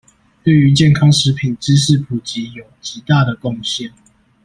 對於健康食品知識普及有極大的貢獻